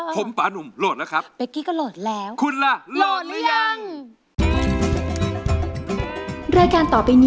ผมปานุ่มโหลดแล้วครับ